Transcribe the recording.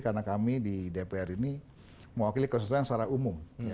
karena kami di dpr ini mewakili kesusahan secara umum